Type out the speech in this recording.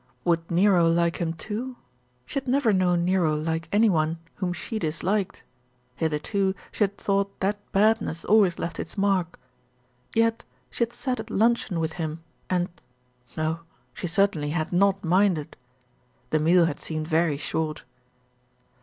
Would Nero like him too? She had never known Nero like any one whom she disliked. Hitherto she had thought that badness always left its mark; yet she had sat at luncheon with him and no, she certainly had not minded. The meal had seemed very short.